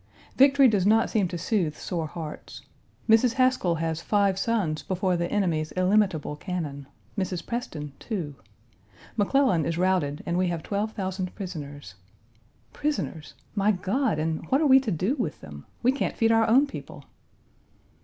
Victory does not seem to soothe sore hearts. Mrs. Haskell has five sons before the enemy's illimitable cannon. Mrs. Preston two. McClellan is routed and we have twelve thousand prisoners. Prisoners! My God! and what are we to do with them? We can't feed our own people.